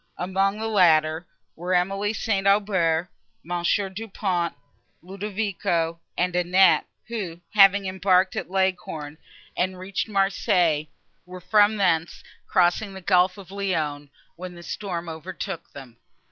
Among the latter, were Emily St. Aubert, Monsieur Du Pont, Ludovico and Annette, who, having embarked at Leghorn and reached Marseilles, were from thence crossing the Gulf of Lyons, when this storm overtook them.